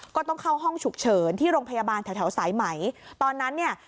ก็ต้องเข้าห้องฉุกเฉิน